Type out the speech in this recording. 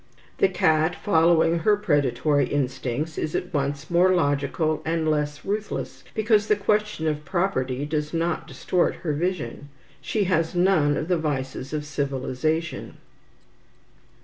The cat, following her predatory instincts, is at once more logical and less ruthless, because the question of property does not distort her vision. She has none of the vices of civilization.